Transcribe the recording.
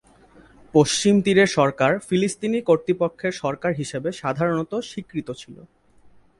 পশ্চিম তীরের সরকার ফিলিস্তিনি কর্তৃপক্ষের সরকার হিসাবে সাধারণত স্বীকৃত ছিল।